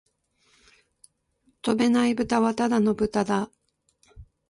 飛べないブタはただの豚だ